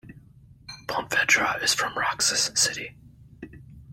Pontevedra is from Roxas City.